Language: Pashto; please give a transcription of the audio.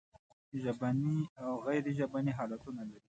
ژبني او غیر ژبني حالتونه لري.